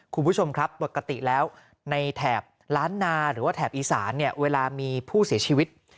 คุณผู้ชมครับปกติแล้วในแถบล้านนาหรือว่าแถบอีสานเนี่ยเวลามีผู้เสียชีวิต